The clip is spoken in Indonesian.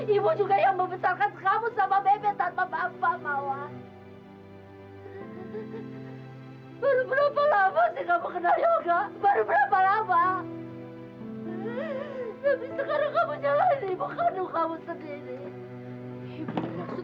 ibu juga yang membesarkan kamu sama bebek tanpa apa apa mawar